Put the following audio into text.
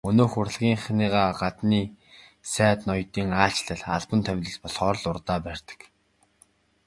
Өнөөх урлагийнхныгаа гаднын сайд ноёдын айлчлал, албан томилолт болохоор л урдаа барьдаг.